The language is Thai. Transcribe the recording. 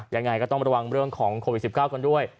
ยังไงก็ต้องระวังเรื่องของโควิด๑๙กันด้วย